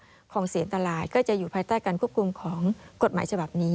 ของเสียอันตรายก็จะอยู่ภายใต้การควบคุมของกฎหมายฉบับนี้